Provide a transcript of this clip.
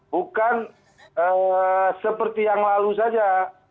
bukan seperti yang lalu saja